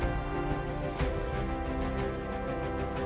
jangan lupa like subscribe share dan share ya